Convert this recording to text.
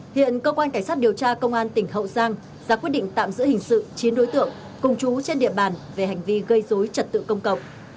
hiện cơ quan cảnh sát điều tra công an tỉnh hậu giang ra quyết định tạm giữ hình sự chín đối tượng cùng chú trên địa bàn về hành vi gây dối trật tự công cộng